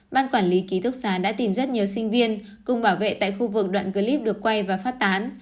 ban quản lý ký túc xá đã tìm rất nhiều sinh viên cùng bảo vệ tại khu vực đoạn clip được quay và phát tán